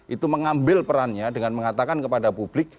itu mengambil perannya dengan mengatakan kepada publik